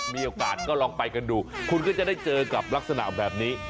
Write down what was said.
มีโอกาสก็ลองไปกันดูคุณก็จะได้เจอกับลักษณะแบบนี้